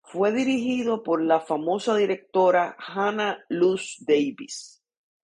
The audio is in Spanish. Fue dirigido por la famosa directora Hannah Lux Davis